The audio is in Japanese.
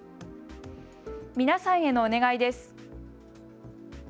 皆さんへのお願いです。